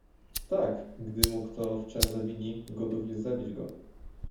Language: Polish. "tak, gdy mu kto w czem zawini, gotów jest zabić go."